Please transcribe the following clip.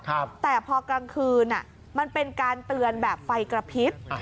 แต่พอกลางคืนอ่ะมันเป็นการเตือนแบบไฟกระพริบ